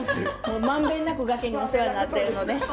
満遍なく崖にお世話になってるので。